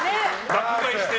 爆買いして。